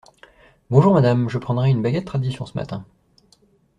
Bonjour madame, je prendrai une baguette tradition ce matin.